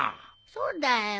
そうだよ。